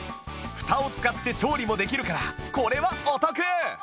フタを使って調理もできるからこれはお得！